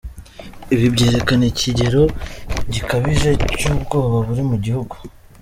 Ibi byerekana ikigero gikabije cy’ubwoba buri mu gihugu.